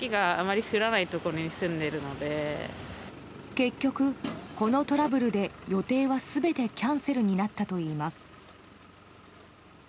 結局、このトラブルで予定は全てキャンセルになったといいます。